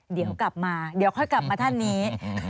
เดี๋ยวกลับมาเดี๋ยวค่อยกลับมาท่านนี้